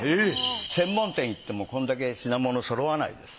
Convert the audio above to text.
専門店行ってもこれだけ品物揃わないです。